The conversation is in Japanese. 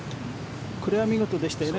これは見事でしたよね。